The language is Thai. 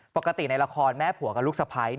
ปกติในละครแม่ผัวกับลูกสะพ้าย